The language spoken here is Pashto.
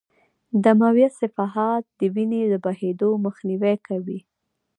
دمویه صفحات د وینې د بهېدو مخنیوی کوي.